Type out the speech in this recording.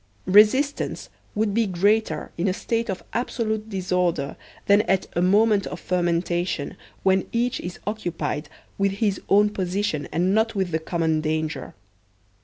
Resist ance would be greater in a state of absolute disorder than at a moment of fermentation, when each is occupied with his own position and not with the common danger.